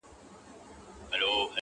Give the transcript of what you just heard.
په زارۍ به یې خیرات غوښت له څښتنه٫